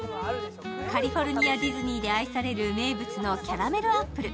カリフォルニア・ディズニーで愛される名物のキャラメルアップル。